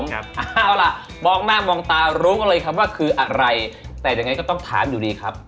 เอาล่ะมองหน้ามองตารู้กันเลยครับว่าคืออะไรแต่ยังไงก็ต้องถามอยู่ดีครับ